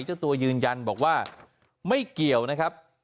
เจ้าตัวยืนยันบอกว่าไม่เกี่ยวนะครับ